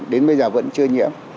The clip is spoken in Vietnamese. đến bây giờ vẫn chưa nhiễm